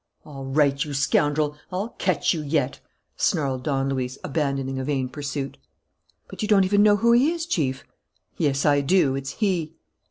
"All right, you scoundrel, I'll catch you yet!" snarled Don Luis, abandoning a vain pursuit. "But you don't even know who he is, Chief." "Yes, I do: it's he."